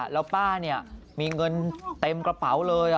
แล้วป้ามีเงินเต็มกระเป๋าเลย